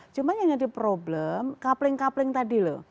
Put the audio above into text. cuma yang jadi problem coupling coupling tadi loh